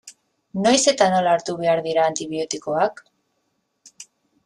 Noiz eta nola hartu behar dira antibiotikoak?